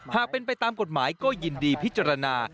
หากเป็นไปตามกฎหมายก็ยินดีพิจารณา